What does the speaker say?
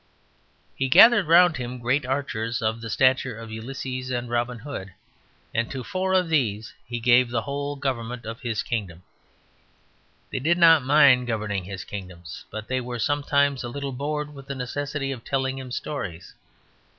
He gathered round him great archers of the stature of Ulysses and Robin Hood, and to four of these he gave the whole government of his kingdom. They did not mind governing his kingdom; but they were sometimes a little bored with the necessity of telling him stories.